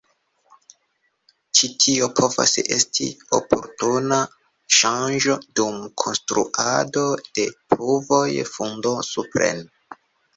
Ĉi tio povas esti oportuna ŝanĝo dum konstruado de pruvoj fundo-supren.